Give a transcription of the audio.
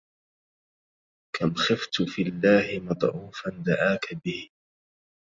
كم خفت في الله مضعوفا دعاك به